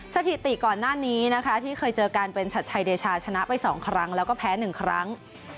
สถิติก่อนหน้านี้นะคะที่เคยเจอกันเป็นชัดชัยเดชาชนะไป๒ครั้งแล้วก็แพ้๑ครั้ง